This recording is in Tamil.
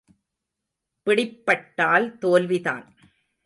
பிடிப்பட்டால் தோல்வி தான்.